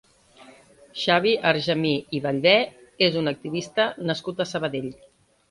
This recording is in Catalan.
Xavi Argemí i Ballbè és un activista nascut a Sabadell.